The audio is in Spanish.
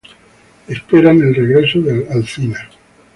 Esperan el regreso de Alcina.